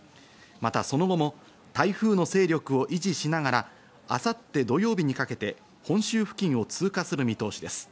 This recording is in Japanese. また、その後も台風の勢力を維持しながら明後日土曜日にかけて本州付近を通過する見通しです。